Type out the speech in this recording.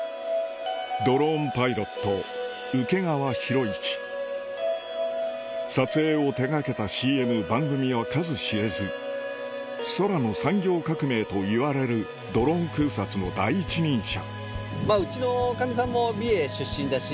ドローンパイロット請川博一撮影を手掛けたＣＭ番組は数知れず「空の産業革命」といわれるドローン空撮の第一人者